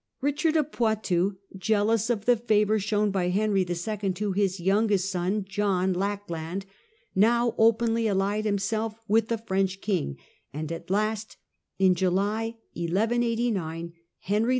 Eichard of Poitou, jealous of the favour shown by Henry II. to his youngest son, John " Lack land," now openly allied himself with the French king, and at last, in July 1189, Henry II.